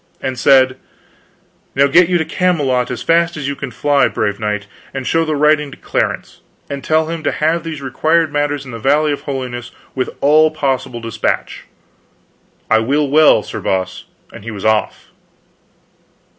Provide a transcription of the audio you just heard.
And I said: "Now get you to Camelot as fast as you can fly, brave knight, and show the writing to Clarence, and tell him to have these required matters in the Valley of Holiness with all possible dispatch." "I will well, Sir Boss," and he was off.